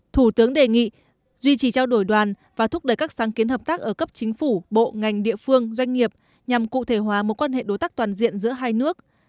thủ tướng đề nghị duy trì trao đổi đoàn và thúc đẩy các sáng kiến hợp tác ở cấp chính phủ bộ ngành địa phương doanh nghiệp nhằm cụ thể hóa mối quan hệ đối tác toàn diện giữa hai nước